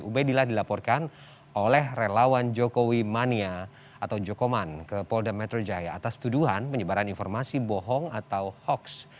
ubedillah dilaporkan oleh relawan jokowi mania atau jokoman ke polda metro jaya atas tuduhan penyebaran informasi bohong atau hoaks